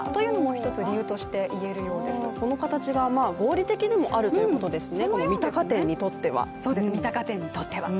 三鷹店にとってはこの形が合理的でもあるということですね。